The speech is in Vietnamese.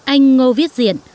anh ngô viết diện